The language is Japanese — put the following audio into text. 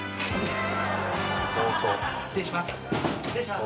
失礼します。